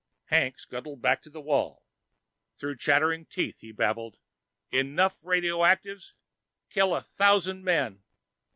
Hank scuttled back to the wall. Through chattering teeth he babbled, "... enough radioactives ... kill a thousand men